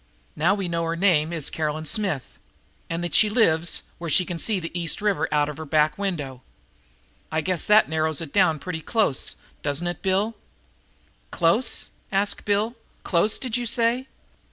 Now we know her name is Caroline Smith, and that she lives where she can see the East River out of her back window. I guess that narrows it down pretty close, doesn't it, Bill?" "Close?" asked Bill. "Close, did you say?"